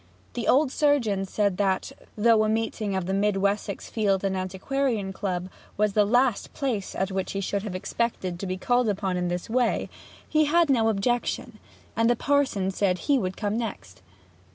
The old surgeon said that, though a meeting of the Mid Wessex Field and Antiquarian Club was the last place at which he should have expected to be called upon in this way, he had no objection; and the parson said he would come next.